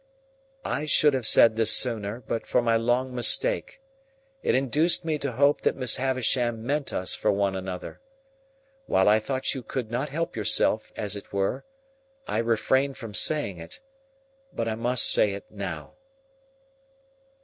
"I should have said this sooner, but for my long mistake. It induced me to hope that Miss Havisham meant us for one another. While I thought you could not help yourself, as it were, I refrained from saying it. But I must say it now."